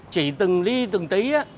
chỉ từng ly từng tí